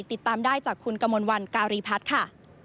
ติดตามได้จากคุณกมลวันการีพัฒน์ค่ะ